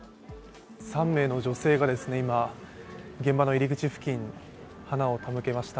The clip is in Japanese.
３名の女性が今現場の入り口付近花を手向けました。